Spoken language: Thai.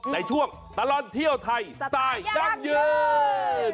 ในช่วงตลอดเที่ยวไทยสไตล์ยั่งยืน